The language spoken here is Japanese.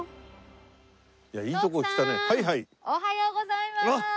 おはようございます！